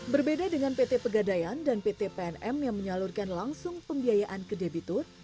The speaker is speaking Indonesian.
berbeda dengan pt pegadaian dan pt pnm yang menyalurkan langsung pembiayaan ke debitur